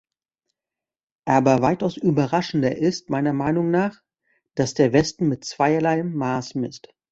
Aber weitaus überraschender ist meiner Meinung nach, dass der Westen mit zweierlei Maß misst.